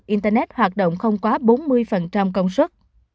internet hoạt động không quá bốn mươi công suất